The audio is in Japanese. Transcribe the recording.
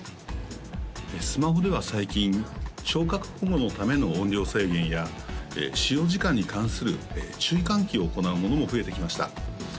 スマホでは最近聴覚保護のための音量制限や使用時間に関する注意喚起を行うものも増えてきました